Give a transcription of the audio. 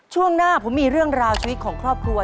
ช่วงหน้าผมมีเรื่องราวชีวิตของครอบครัว